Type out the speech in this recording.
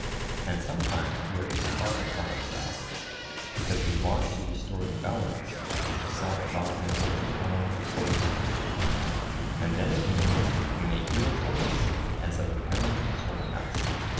And sometimes we are too hard upon ourselves, because we want to restore the balance which self love has overthrown or disturbed; and then again we may hear a voice as of a parent consoling us.